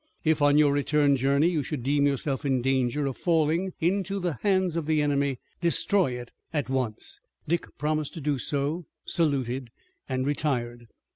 If on your return journey you should deem yourself in danger of falling into the hands of the enemy destroy it at once." Dick promised to do so, saluted, and retired.